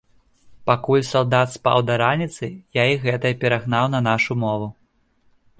Пакуль салдат спаў да раніцы, я і гэтае перагнаў на нашу мову.